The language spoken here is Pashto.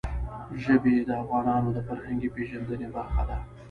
ژبې د افغانانو د فرهنګي پیژندنې برخه ده.